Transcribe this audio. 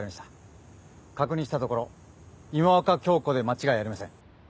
確認したところ今岡鏡子で間違いありません。